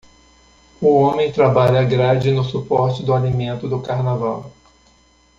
O homem trabalha a grade no suporte do alimento do carnaval.